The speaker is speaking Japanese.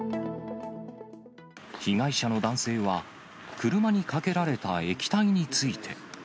被害者の男性は、車にかけられた液体について。